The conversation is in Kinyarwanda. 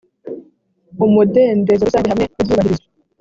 umudendezo rusange hamwe n ibyubahirizwa